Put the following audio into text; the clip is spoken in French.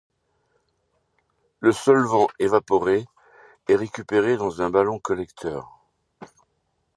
Le solvant évaporé est récupéré dans un ballon collecteur.